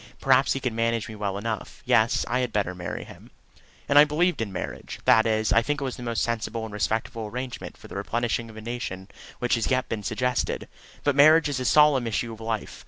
Perhaps he could manage me well enough. Yes; I had better marry him. And I believe in marriage that is, I think it the most sensible and respectable arrangement for the replenishing of a nation which has yet been suggested. But marriage is a solemn issue of life.